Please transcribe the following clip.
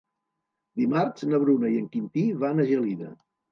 Dimarts na Bruna i en Quintí van a Gelida.